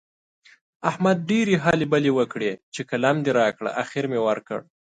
احمد ډېرې هلې بلې وکړې چې قلم دې راکړه؛ اخېر مې ورکړ.